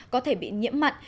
có thể bị nhiễm mặn